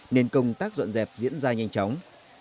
nên công tác dọn dẹp diễn ra nhanh chóng